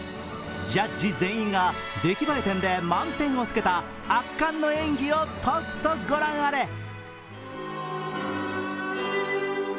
ジャッジ全員が出来栄え点で満点をつけた圧巻の演技をとくと御覧あれ。